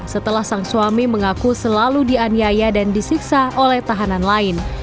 setelah sang suami mengaku selalu dianiaya dan disiksa oleh tahanan lain